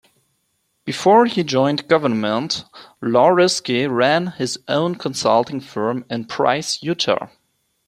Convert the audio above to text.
Before he joined government, Lauriski ran his own consulting firm in Price, Utah.